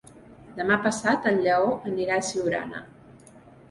Demà passat en Lleó anirà a Siurana.